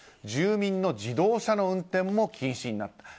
住民の自動車の運転も禁止になった。